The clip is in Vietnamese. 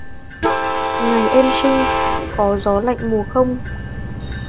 Ngày em sinh, có gió lạnh mùa không